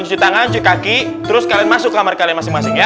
cuci tangan cuci kaki terus kalian masuk ke kamar kalian masing masing ya